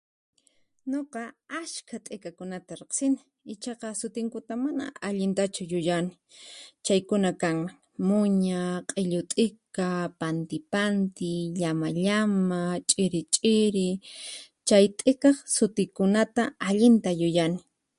Nuqa askha t'ikakunata riqsini, ichaqa sutinkuta mana allintachu yuyani, chaykuna kanman: Muña, q'illu t'ika, panti panti, llama llama, ch'iri ch'iri. Chay t'ikaq sutikunata allinta yuyani.